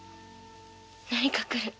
何か来る。